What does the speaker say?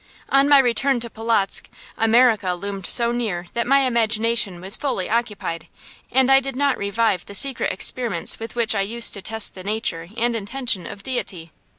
On my return to Polotzk, America loomed so near that my imagination was fully occupied, and I did not revive the secret experiments with which I used to test the nature and intention of Deity.